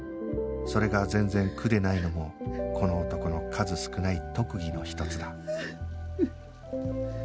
それが全然苦でないのもこの男の数少ない特技の一つだ